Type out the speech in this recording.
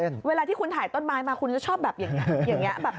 แล้วทำไมเวลาที่คุณถ่ายต้นไม้มาคุณจะชอบแบบอย่างนี้